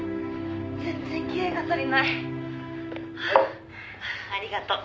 「全然気合が足りない」「はい」「ありがとう」